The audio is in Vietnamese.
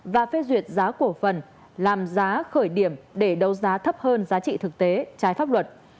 và phê duyệt giá cổ phần làm giá khởi điểm để đấu giá thấp hơn giá trị thực tế trái pháp luật